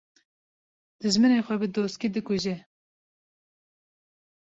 Dijminê xwe bi doskî dikuje